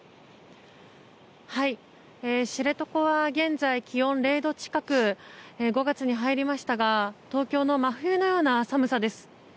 知床は現在、気温０度近く５月に入りましたが東京の真冬のような寒さです。